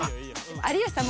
有吉さん